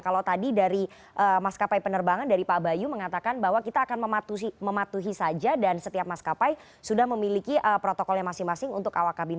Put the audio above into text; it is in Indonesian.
kalau tadi dari maskapai penerbangan dari pak bayu mengatakan bahwa kita akan mematuhi saja dan setiap maskapai sudah memiliki protokolnya masing masing untuk awak kabin